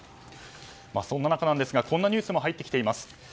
そんな中ですがこんなニュースも入ってきています。